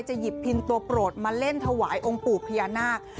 หยิบพินตัวโปรดมาเล่นถวายองค์ปู่พญานาค